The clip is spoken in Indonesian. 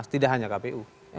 tidak hanya kpu